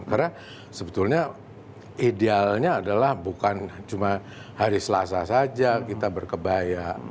karena sebetulnya idealnya adalah bukan cuma hari selasa saja kita berkebaya